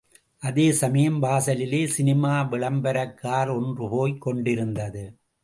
அதே சமயம், வாசலிலே சினிமா விளம்பர கார் ஒன்று போய்க் கொண்டிருந்தது.